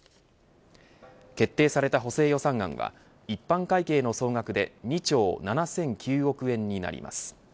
決定された補正予算案は一般会計の総額で２兆７００９億円になります。